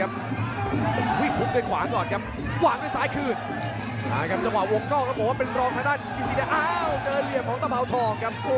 อ้าวเจอเหลี่ยมของตะเบาทองครับ